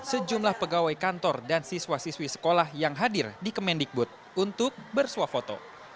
sejumlah pegawai kantor dan siswa siswi sekolah yang hadir di kemendikbud untuk bersuah foto